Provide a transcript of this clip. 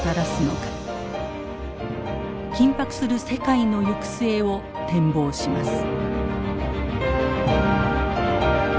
緊迫する世界の行く末を展望します。